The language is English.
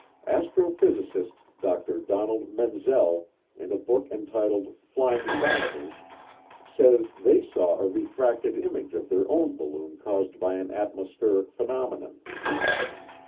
Astrophysicist Dr. Donald Menzel, in a book entitled Flying Saucers, says they saw a refracted image of their own balloon caused by an atmospheric phenomenon.